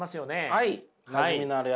はい。